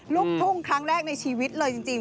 ลูกทุ่งครั้งแรกในชีวิตเลยจริง